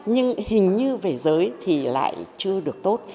nhưng hình như về giới thì lại chưa được tốt